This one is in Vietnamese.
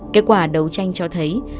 kết quả đấu tranh cho thấy